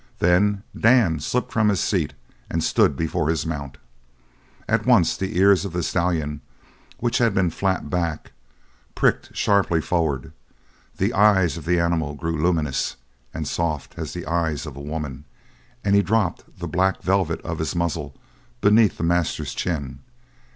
Then Dan slipped from his seat and stood before his mount. At once the ears of the stallion, which had been flat back, pricked sharply forward; the eyes of the animal grew luminous and soft as the eyes of a woman, and he dropped the black velvet of his muzzle beneath the master's chin.